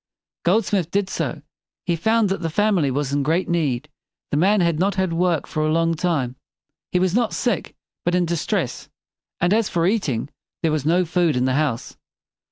Goldsmith did so. He found that the family was in great need. The man had not had work for a long time. He was not sick, but in distress; and, as for eating, there was no food in the house.